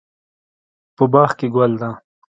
په باغ کې ګل ده